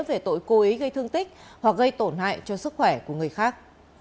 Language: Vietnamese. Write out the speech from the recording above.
về tội cố ý gây thương tích hoặc gây tổn hại cho sức khỏe của người khác